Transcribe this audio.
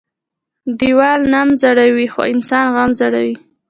ديوال نم زړوى خو انسان غم زړوى.